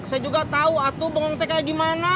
saya juga tahu atu bengke kayak gimana